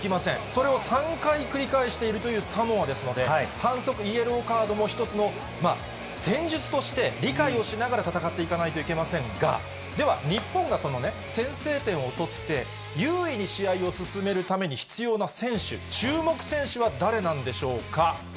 それを３回繰り返しているというサモアですので、反則、イエローカードも１つの、戦術として理解をしながら戦っていかないといけませんが、では、日本がそのね、先制点を取って、優位に試合を進めるために必要な選手、注目選手は誰なんでしょうか。